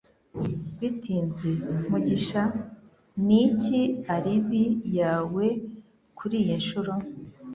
Bitinze, Mugisha? Niki alibi yawe kuriyi nshuro?